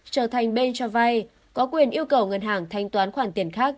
trở thành bên cho vay có quyền yêu cầu ngân hàng thanh toán khoản tiền khác